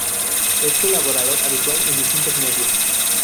Es colaborador habitual en distintos medios.